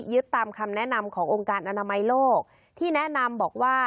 ตามคำแนะนำขององค์การอนามัยโลกที่แนะนำบอกว่า